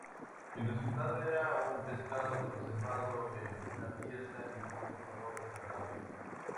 El resultado era un pescado conservado en una pieza y con un olor desagradable.